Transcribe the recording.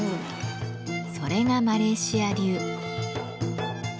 それがマレーシア流。